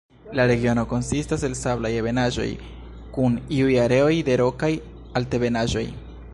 La regiono konsistas el sablaj ebenaĵoj kun iuj areoj de rokaj altebenaĵoj.